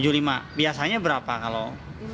rp tujuh puluh lima biasanya berapa kalau